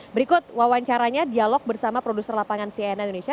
berikut wawancaranya dialog bersama produser lapangan cnn indonesia